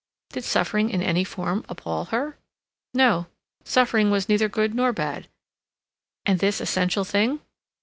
Did suffering in any form appall her? No, suffering was neither good nor bad. And this essential thing?